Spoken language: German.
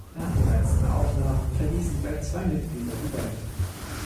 Nach den letzten Aufnahmen verließen gleich zwei Mitglieder die Band.